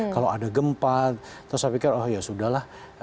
kalau ada gempa terus saya pikir oh ya sudah lah